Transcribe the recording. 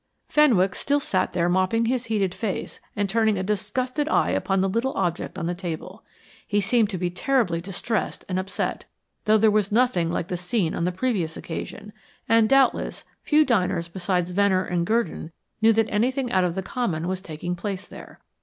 Fenwick still sat there mopping his heated face and turning a disgusted eye upon the little object on the table. He seemed to be terribly distressed and upset, though there was nothing like the scene on the previous occasion, and, doubtless, few diners besides Venner and Gurdon knew that anything out of the common was taking place there.